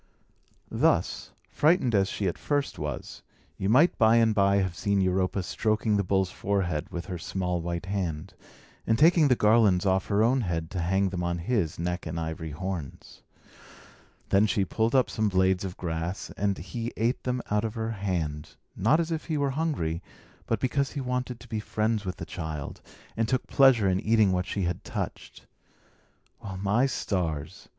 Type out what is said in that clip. Thus, frightened as she at first was, you might by and by have seen Europa stroking the bull's forehead with her small white hand, and taking the garlands off her own head to hang them on his neck and ivory horns. Then she pulled up some blades of grass, and he ate them out of her hand, not as if he were hungry, but because he wanted to be friends with the child, and took pleasure in eating what she had touched. Well, my stars!